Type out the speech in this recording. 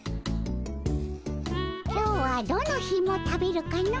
今日はどのひも食べるかの。